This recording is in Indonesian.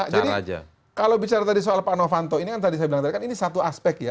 jadi kalau bicara tadi soal pak novanto ini kan tadi saya bilang tadi kan ini satu aspek ya